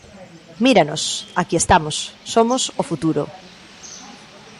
Míranos, aquí estamos, somos o futuro.